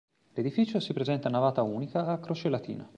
L'edificio si presenta a navata unica a croce latina.